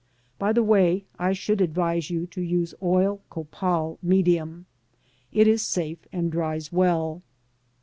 By the way, I should advise you to use oil copal medium. It is safe and dries well.